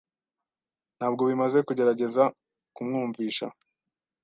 Ntabwo bimaze kugerageza kumwumvisha.